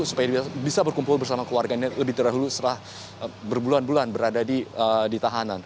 supaya bisa berkumpul bersama keluarganya lebih terdahulu setelah berbulan bulan berada di tahanan